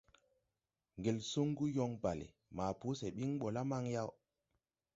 Ŋgel suŋ yɔŋ balle maa po sɛ ɓiŋ naa maŋ yaw.